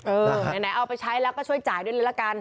เออไหนออกไปใช้แล้วก็ช่วยจ่ายด้วยรึรากัน